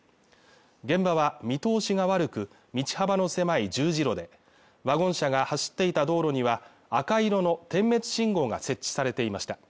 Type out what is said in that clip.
現場は見通しが悪く道幅の狭い十字路でワゴン車が走っていた道路には赤色の点滅信号が設置されていました